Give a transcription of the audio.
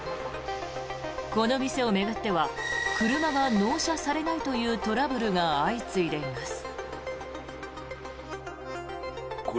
この店を巡っては車が納車されないというトラブルが相次いでいます。